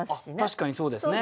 確かにそうですね。